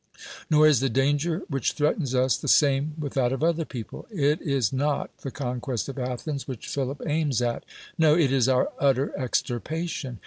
Xor is the daufj er whi. h threatens us the same with that of other r>e(>[)]e. Jt is not the conquest of Athens which Philip aims at: no, it is our utter extirpation.